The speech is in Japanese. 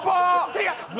違う！